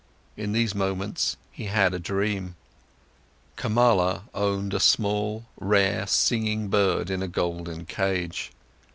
In those moments, he had a dream: Kamala owned a small, rare singing bird in a golden cage.